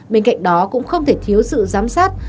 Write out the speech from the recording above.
bên cạnh đó cũng không thể thiếu sự giám sát